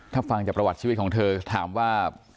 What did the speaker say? ถ้าฟังจากประวัติชีวิตของเธอถามว่า